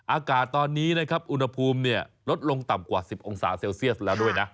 อากาศตอนนี้นะครับอุณหภูมิลดลงต่ำกว่า๑๐องศาเซลเซียสแล้วด้วยนะ